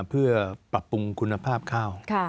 เพื่อปรับปรุงคุณภาพข้าว